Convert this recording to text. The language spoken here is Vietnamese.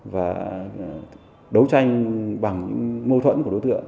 và đấu tranh bằng mô thuẫn của đối tượng